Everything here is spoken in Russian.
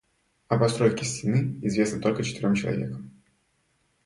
О постройке стены известно только четырём человекам.